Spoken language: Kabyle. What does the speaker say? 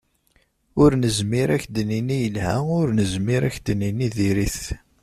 Ur nezmir ad k-d-nini yelha, ur nezmir ad k-d-nini diri-t.